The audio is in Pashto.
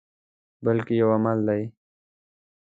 بلکې یو عمل دی.